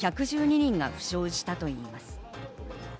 １１２人が負傷したといいます。